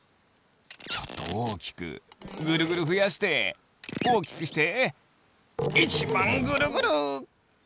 ちょっとおおきくぐるぐるふやしておおきくしていちばんぐるぐる！